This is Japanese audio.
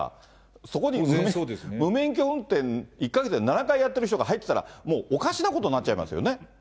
そこに無免許運転、１か月で７回やってる人が入ってたら、もうおかしなことになっちゃいますよね。